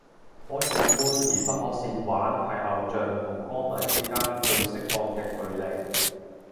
可遠觀而不可褻玩係偶像同歌迷之間最適當嘅距離